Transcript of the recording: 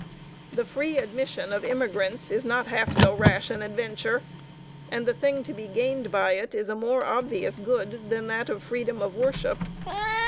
The free admission of immigrants is not half so rash an adventure, and the thing to be gained by it is a more obvious good than that of freedom of worship.